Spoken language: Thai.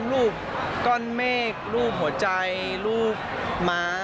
รูปก้อนเมฆรูปหัวใจรูปม้า